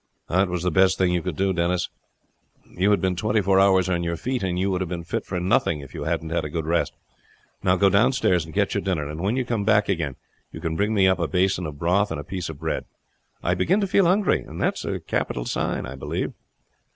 "It was the best thing you could do, Denis. You had been twenty four hours on your feet, and you would have been fit for nothing if you hadn't had a good rest. Now go downstairs and get your dinner, and when you come back again you can bring me up a basin of broth and a piece of bread. I begin to feel hungry; and that's a capital sign, I believe."